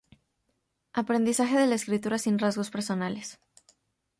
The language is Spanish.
Aprendizaje de la escritura sin rasgos personales.